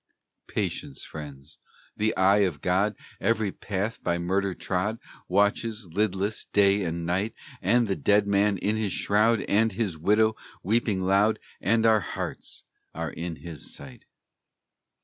Patience, friends! The eye of God Every path by Murder trod Watches, lidless, day and night; And the dead man in his shroud, And his widow weeping loud, And our hearts, are in His sight.